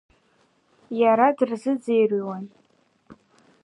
Иара дырзыӡырҩуан.